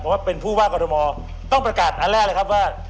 เพราะว่าเป็นผู้ว่ากรทมต้องประกาศอันแรกเลยครับว่า